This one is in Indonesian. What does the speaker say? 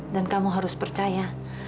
dan kamu harus percaya